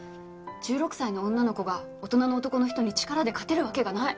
１６歳の女の子が大人の男の人に力で勝てるわけがない。